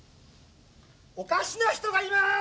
おかしな人がいます！